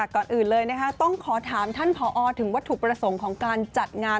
ก่อนอื่นเลยนะคะต้องขอถามท่านผอถึงวัตถุประสงค์ของการจัดงาน